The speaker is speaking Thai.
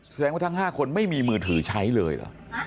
แสดงว่าทั้ง๕คนไม่มีมือถือใช้เลยเหรอ